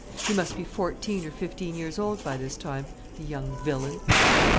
He must be fourteen or fifteen years old by this time the young villain!